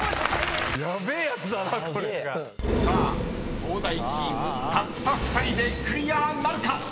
［さあ東大チームたった２人でクリアなるか⁉］